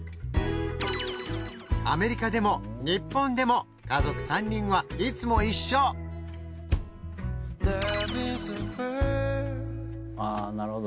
アメリカでも日本でも家族３人はいつも一緒あぁなるほど。